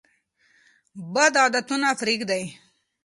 بد عادتونه پریږدئ.